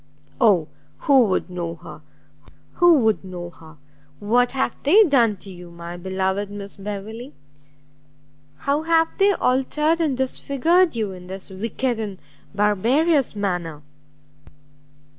Oh who would know her! who would know her! what have they done to you, my beloved Miss Beverley? how have they altered and disfigured you in this wicked and barbarous manner?"